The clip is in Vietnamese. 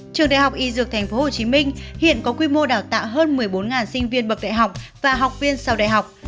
trường đại học y dược tp hcm hiện có quy mô đào tạo hơn một mươi bốn sinh viên bậc đại học và học viên sau đại học